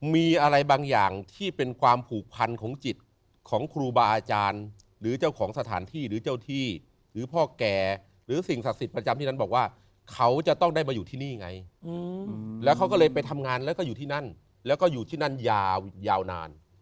มีอะไรบางอย่างที่เป็นความผูกพันของจิตของครูบาอาจารย์หรือเจ้าของสถานที่หรือเจ้าที่หรือพ่อแก่หรือสิ่งศักดิ์สิทธิ์ประจำที่นั้นบอกว่าเขาจะต้องได้มาอยู่ที่นี่ไงแล้วเขาก็เลยไปทำงานแล้วก็อยู่ที่นั่นแล้วก็อยู่ที่นั่นยาวนาน